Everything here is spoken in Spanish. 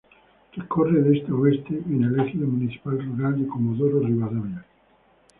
Recorre de este a oeste, en el ejido municipal rural de Comodoro Rivadavia.